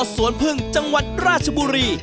สวนพึ่งจังหวัดราชบุรี